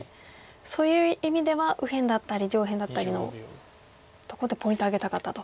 そういう意味では右辺だったり上辺だったりのとこでポイント挙げたかったと。